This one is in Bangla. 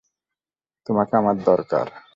তোমাকে আমার দরকার!